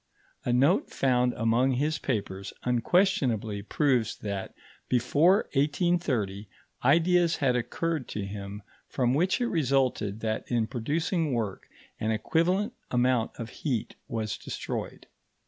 A note found among his papers unquestionably proves that, before 1830, ideas had occurred to him from which it resulted that in producing work an equivalent amount of heat was destroyed.